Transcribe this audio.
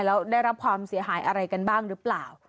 แล้วได้รับความเสียหายอะไรกันบ้างหรือเปล่า